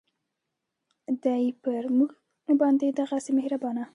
دی پر مونږ باندې دغهسې مهربانه